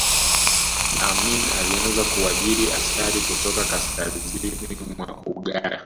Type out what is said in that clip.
amin alianza kuajiri askari kutoka kaskazini mwa uganda